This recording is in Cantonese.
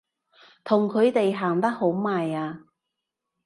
同佢哋行得好埋啊！